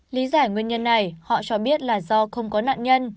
lý giải nguyên nhân này họ cho biết là do không có nạn nhân